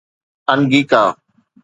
انگيڪا